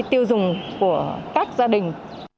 cơ hội tiêu dùng của các gia đình